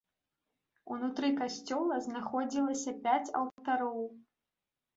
Унутры касцёла знаходзілася пяць алтароў.